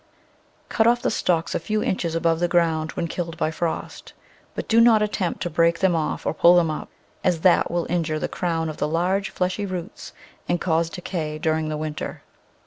Cut off the stalks a few inches above the ground when killed by frost, but do not attempt to break them off or pull them up, as that will injure the crown of the large, fleshy roots and cause decay during the winter.